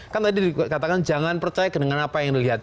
kan tadi dikatakan jangan percaya dengan apa yang dilihat